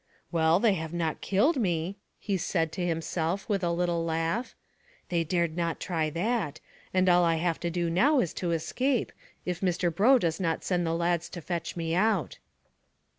"Well, they have not killed me," he said to himself with a little laugh. "They dared not try that, and all I have to do now is to escape, if Mr Brough does not send the lads to fetch me out."